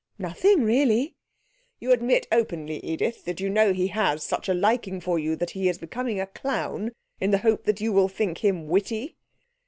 'Nothing, really.' 'You admit openly, Edith, that you know he has such a liking for you that he is becoming a clown in the hope that you will think him witty?'